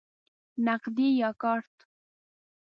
نغدی یا کارت؟